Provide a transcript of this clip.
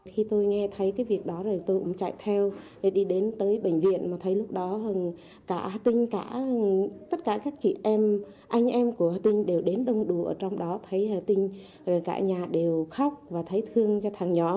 khi tôi nghe thấy cái việc đó rồi tôi cũng chạy theo để đi đến tới bệnh viện mà thấy lúc đó cả hất tinh cả tất cả các chị em anh em của hất tinh đều đến đông đùa ở trong đó thấy hất tinh rồi cả nhà đều khóc và thấy thương cho thằng nhỏ